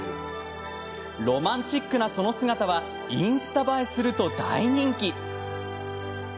ロマンチックなその姿はインスタ映えすると大人気。